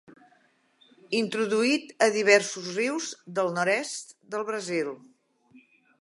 Introduït a diversos rius del nord-est del Brasil.